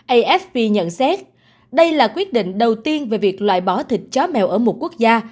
afp nhận xét đây là quyết định đầu tiên về việc loại bỏ thịt chó mèo ở một quốc gia